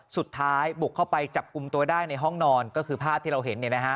สุดท้ายบุกเข้าไปจับกลุ่มตัวได้ในห้องนอนก็คือภาพที่เราเห็น